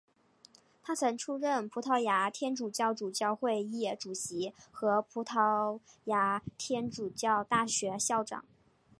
他曾出任葡萄牙天主教主教会议主席和葡萄牙天主教大学校长。